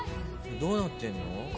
どうなってんの？